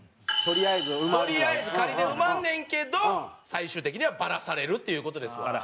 とりあえずで埋まんねんけど最終的にはバラされるっていう事ですわ。